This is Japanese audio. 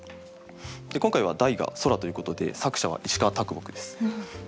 今回は題が「空」ということで作者は石川木です。